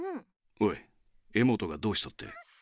おいエモトがどうしたって？